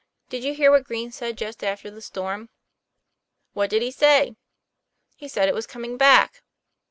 Did you hear what Green said just after the storm?" "What did he say?" " He said it was coming back."